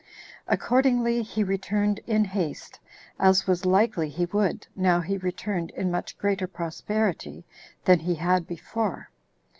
Accordingly, he returned in haste, as was likely he would, now he returned in much greater prosperity than he had before.